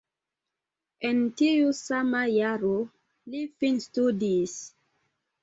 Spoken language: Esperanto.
En tiu sama jaro li finstudis.